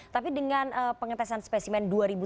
tapi dengan pengetesan spesimen